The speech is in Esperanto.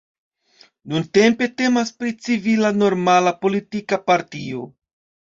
Nuntempe temas pri civila normala politika partio.